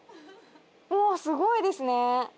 うわすごいですね。